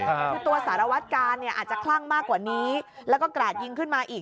คือตัวสารวัตกาลเนี่ยอาจจะคลั่งมากกว่านี้แล้วก็กราดยิงขึ้นมาอีก